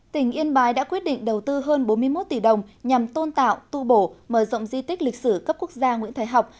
tỉnh yên bái đã quyết định đầu tư hơn bốn mươi một tỷ đồng nhằm tôn tạo tu bổ mở rộng di tích lịch sử cấp quốc gia nguyễn thái học